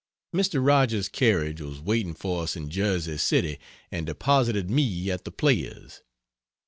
Mr. Rogers's carriage was waiting for us in Jersey City and deposited me at the Players.